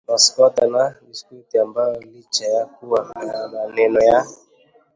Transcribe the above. maskwota na biskuti ambayo licha ya kuwa maneno ya